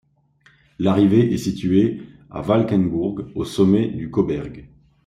L'arrivée est située à Valkenburg, au sommet du Cauberg.